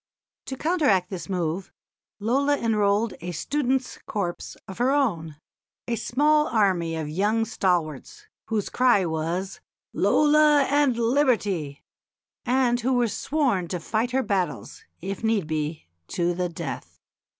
To counteract this move Lola enrolled a students' corps of her own a small army of young stalwarts, whose cry was "Lola and Liberty," and who were sworn to fight her battles, if need be, to the death.